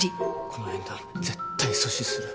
この縁談絶対阻止する。